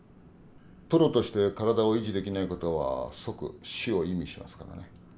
プロとして体を維持できない事は即死を意味しますからね。